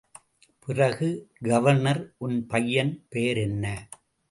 பிறகு கவர்னர் உன் பையன் பெயர் என்ன?